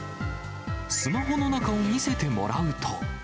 スマホの中を見せてもらうと。